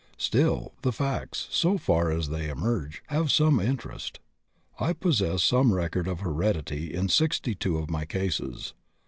Still, the facts, so far as they emerge, have some interest. I possess some record of heredity in 62 of my cases.